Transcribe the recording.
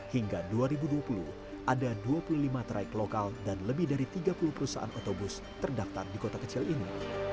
hingga dua ribu dua puluh ada dua puluh lima traik lokal dan lebih dari tiga puluh perusahaan otobus terdaftar di kota kecil ini